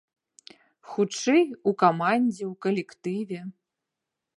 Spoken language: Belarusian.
Хутчэй, у камандзе, у калектыве.